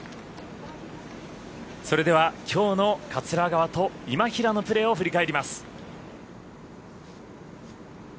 それではきょうの桂川と今平のプレーを振り返ります。